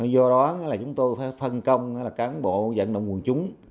do đó chúng tôi phải phân công cán bộ dẫn động nguồn chúng